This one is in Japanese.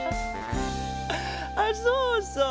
あっそうそう